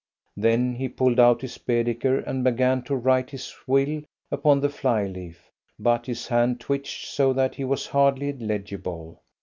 Then he pulled out his Baedeker and began to write his will upon the flyleaf, but his hand twitched so that he was hardly legible.